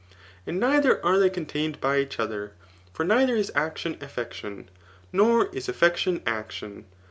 And neither are they contained by each other y for neither is action effection; nor is effection action.